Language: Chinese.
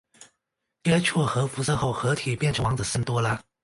接触核辐射后合体变成王者基多拉。